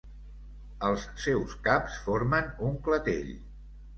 Els seus caps formen un clatell.